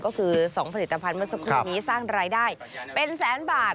ก็คือ๒ผลิตภัณฑ์เมื่อสักครู่นี้สร้างรายได้เป็นแสนบาท